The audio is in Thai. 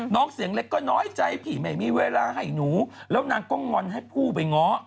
เสียงเล็กก็น้อยใจพี่ไม่มีเวลาให้หนูแล้วนางก็งอนให้ผู้ไปง้อ